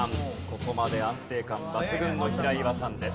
ここまで安定感抜群の平岩さんです。